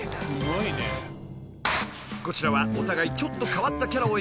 ［こちらはお互いちょっと変わったキャラを演じる